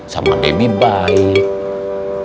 sama debbie baik